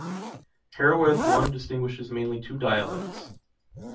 Herewith one distinguishes mainly two dialects.